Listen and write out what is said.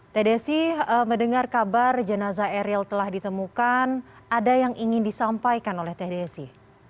teh desi mendengar kabar jenazah eril telah ditemukan ada yang ingin disampaikan oleh teh desi